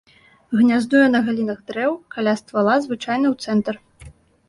Гняздуе на галінах дрэў каля ствала, звычайна ў цэнтр.